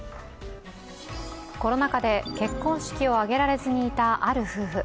コロナ禍で結婚式を挙げられずにいた、ある夫婦。